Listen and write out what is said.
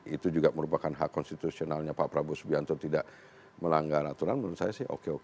itu juga merupakan hak konstitusionalnya pak prabowo subianto tidak melanggar aturan menurut saya sih oke oke